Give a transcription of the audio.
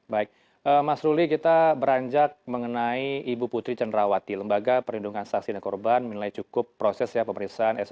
baik mas ruli kita beranjak mengenai ibu putri cenrawati lembaga perlindungan saksi dan korban menilai cukup proses ya pemeriksaan swab